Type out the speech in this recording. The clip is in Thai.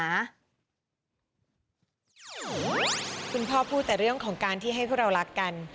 คุณพ่อพูดแต่เรื่องของการที่ให้พวกเรารักกัน